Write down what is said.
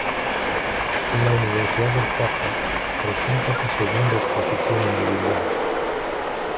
En la Universidad del Cauca presenta su segunda exposición individual.